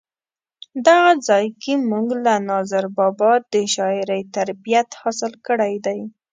دغه ځای کې مونږ له ناظر بابا د شاعرۍ تربیت حاصل کړی دی.